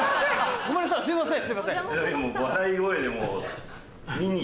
ごめんなさいすいません。